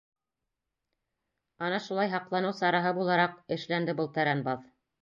Ана шулай һаҡланыу сараһы булараҡ эшләнде был тәрән баҙ.